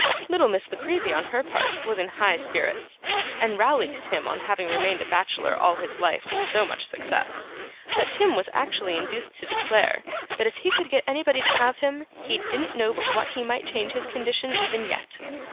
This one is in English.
Little Miss La Creevy, on her part, was in high spirits, and rallied Tim on having remained a bachelor all his life with so much success, that Tim was actually induced to declare, that if he could get anybody to have him, he didn't know but what he might change his condition even yet.